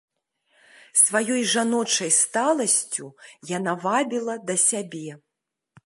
Сваёй жаночай сталасцю яна вабіла да сябе.